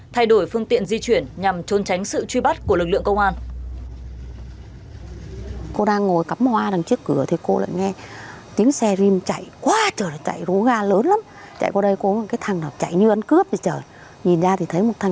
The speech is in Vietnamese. thay đổi phương tiện di chuyển nhằm trôn tránh sự truy bắt của lực lượng công an